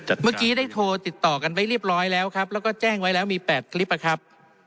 เมื่อกี้ได้โทรติดต่อกันไว้เรียบร้อยแล้วครับแล้วก็แจ้งไว้แล้วมี๘คลิปนะครับ